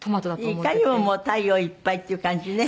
いかにももう太陽いっぱいっていう感じね。